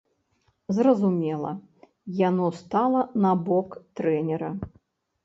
Зразумела, яно стала на бок трэнера.